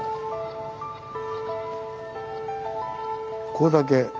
これだけ。